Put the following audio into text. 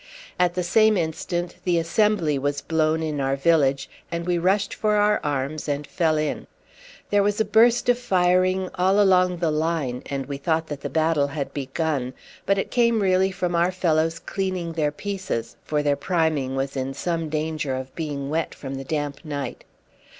At the same instant the assembly was blown in our village, and we rushed for our arms and fell in. There was a burst of firing all along the line, and we thought that the battle had begun; but it came really from our fellows cleaning their pieces, for their priming was in some danger of being wet from the damp night.